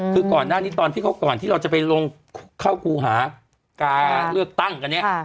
คือก่อนหน้านี้ตอนที่เขาก่อนที่เราจะไปลงเข้าครูหาการเลือกตั้งกันเนี่ย